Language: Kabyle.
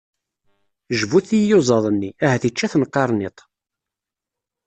Jbut i iyuzaḍ-nni, ahat yečča-ten qirniṭ!